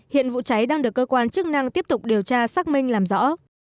hiện vụ cháy đang được cơ quan chức năng tiếp tục điều tra xác minh làm rõ